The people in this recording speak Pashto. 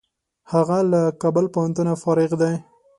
هغه له کابل پوهنتونه فارغ دی.